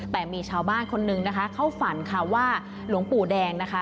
แต่มีชาวบ้านคนนึงนะคะเข้าฝันค่ะว่าหลวงปู่แดงนะคะ